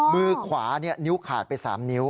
มือขวานิ้วขาดไป๓นิ้ว